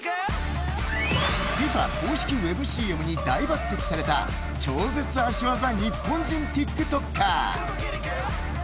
ＦＩＦＡ公式ウェブＣＭに大抜擢された超絶足技日本人ＴｉｋＴｏｋｅｒ。